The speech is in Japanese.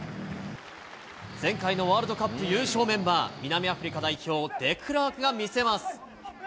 前回のワールドカップ優勝メンバー、南アフリカ代表、デクラークが見せます。